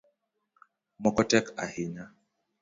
Moko tek ahinya